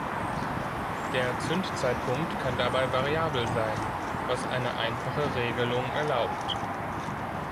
Der Zündzeitpunkt kann dabei variabel sein, was eine einfache Regelung erlaubt.